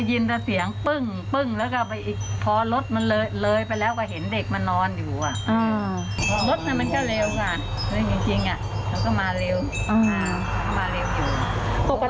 ตายินตะเสี่ยงตึ้งตึ้หนแล้วก็ไปอีกพอรถมันเลยเลยไปแล้วก็เห็นเด็กมอนอนอยู่อ่า